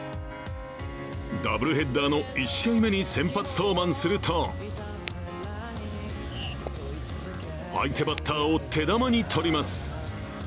ダブルヘッダーの１試合目に先発登板すると相手バッターを手玉に取ります。